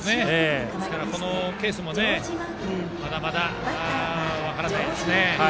このケースもまだまだ分からないですね。